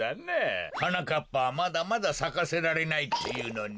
はなかっぱはまだまださかせられないっていうのに。